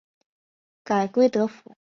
改归德府。